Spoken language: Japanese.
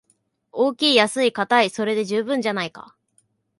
大きい安いかたい、それで十分じゃないか